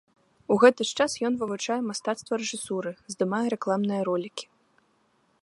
У гэты ж час ён вывучае мастацтва рэжысуры, здымае рэкламныя ролікі.